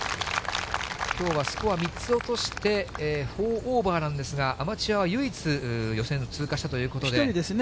きょうはスコア３つ落として、４オーバーなんですが、アマチュアは唯一、予選通過したということで。